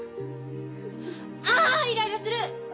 あイライラする！